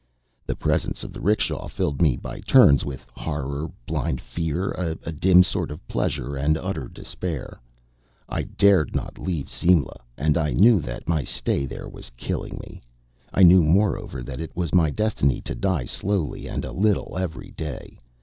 The presence of the 'rickshaw filled me by turns with horror, blind fear, a dim sort of pleasure, and utter despair. I dared not leave Simla; and I knew that my stay there was killing me. I knew, moreover, that it was my destiny to die slowly and a little every day.